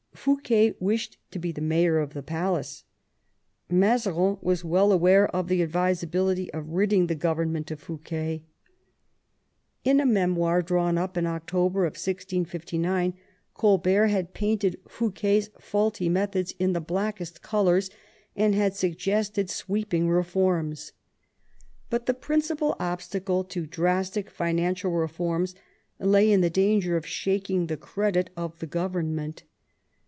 Fouquet wished to be the mayor of the palace. Mazarin was well aware of the advisability of ridding the government of Fouquet. In a memoir drawn up in October 1659 Colbert had painted Fouquet's faulty methods in the blackest colours, and had suggested sweeping reforms. But the principal obstacle to drastic financial reforms lay in the danger of shaking the credit of the government.